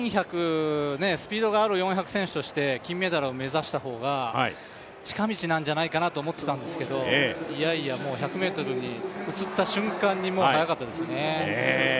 ４００、スピードがある４００選手として金メダルを目指した方が近道なんじゃないかと思ってたんですけどいやいや、もう１００ｍに移った瞬間に速かったですね。